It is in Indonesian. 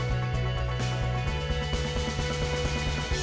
menjadi cerita tersendiri